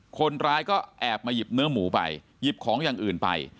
คนร้ายก็แอบมาหยิบเนื้อหมูไปหยิบของอย่างอื่นไป